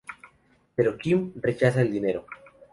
Pero Kim rechaza el dinero.